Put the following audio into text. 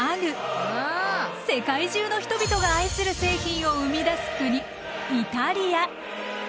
世界中の人々が愛する製品を生み出す国イタリア。